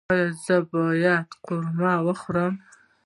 ایا زه باید قورمه وخورم؟